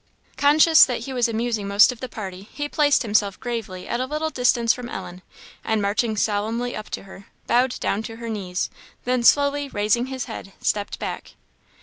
Conscious that he was amusing most of the party, he placed himself gravely at a little distance from Ellen, and marching solemnly up to her, bowed down to her knees then slowly raising his head, stepped back.